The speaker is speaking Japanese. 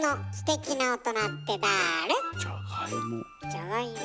じゃがいも。